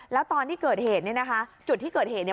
แล้วตอนที่เกิดเหตุเนี่ยนะคะจุดที่เกิดเหตุเนี่ย